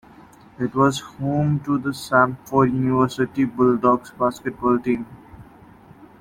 It was home to the Samford University Bulldogs basketball team.